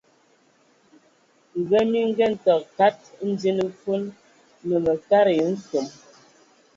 Ngə mi ngənan tə kad ndian fon, mə katəya nsom.